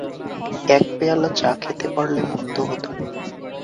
এক পেয়লা চা খেতে পারলে মন্দ হত না।